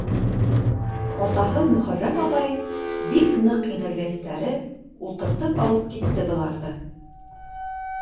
Атаһы Мөхәррәм ағай, бик ныҡ инәлгәстәре, ултыртып алып китте быларҙы.